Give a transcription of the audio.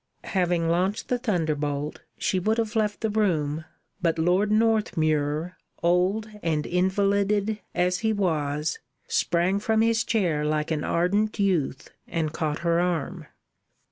Having launched the thunderbolt, she would have left the room, but Lord Northmuir, old and invalided as he was, sprang from his chair like an ardent youth and caught her arm.